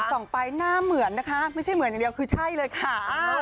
ส่องไปหน้าเหมือนนะคะไม่ใช่เหมือนอย่างเดียวคือใช่เลยค่ะ